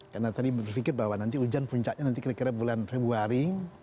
karena tadi berpikir bahwa nanti hujan puncaknya nanti kira kira bulan februari